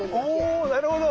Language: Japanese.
おなるほど。